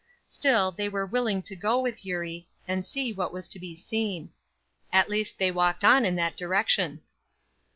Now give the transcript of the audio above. Still, they were willing to go with Eurie, and see what was to be seen. At least they walked on in that direction.